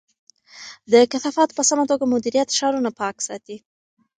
د کثافاتو په سمه توګه مدیریت ښارونه پاک ساتي.